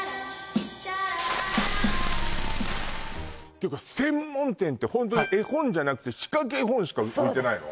ていうか専門店ってホントに絵本じゃなくて仕掛け絵本しか置いてないの？